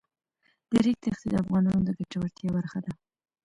د ریګ دښتې د افغانانو د ګټورتیا برخه ده.